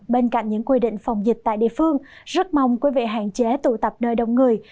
bên cạnh những quy định phòng dịch tại địa phương rất mong quý vị hạn chế tụ tập nơi đông người